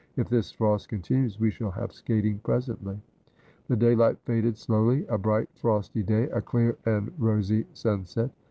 If this frost continues we shall have skating presently.' The daylight faded slowly ; a bright frosty day, a clear and rosy sunset.